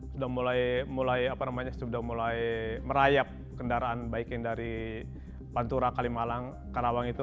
sudah mulai merayap kendaraan baik yang dari pantura kalimalang karawang itu